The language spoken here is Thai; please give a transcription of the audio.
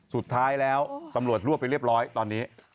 สุดท้ายแล้วตำรวจรวบไปเรียบร้อยตอนนี้